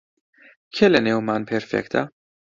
کێ لەنێومان پێرفێکتە؟